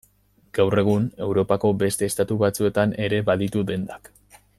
Gaur egun, Europako beste estatu batzuetan ere baditu dendak.